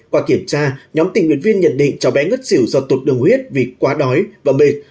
qua kiểm tra nhóm tình nguyện viên nhận định cháu bé ngất xỉu do tụt đường huyết vì quá đói và mệt